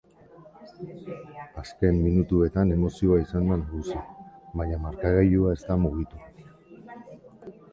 Azken minutuetan emozioa izan da nagusi, baina markagailua ez da mugitu.